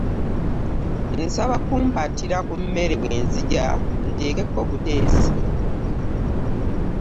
Nsaba kumpaatira ku mmere bwe nzija nteekeko buteesi.